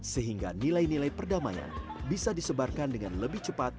sehingga nilai nilai perdamaian bisa disebarkan dengan lebih cepat